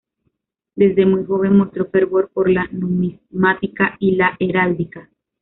Desde muy joven mostró fervor por la numismática y la heráldica.